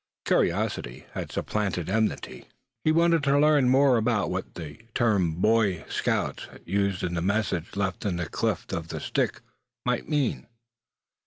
Curiosity had supplanted enmity. He wanted to learn more about what that term "Boy Scouts," used in the message left in the cleft of the stick, might mean.